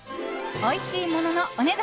おいしいもののお値段